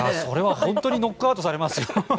それは本当にノックアウトされますよ。